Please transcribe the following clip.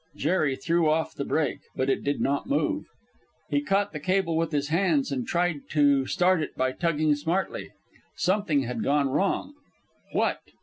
Jerry threw off the brake, but it did not move. He caught the cable with his hands and tried to start it by tugging smartly. Something had gone wrong. What?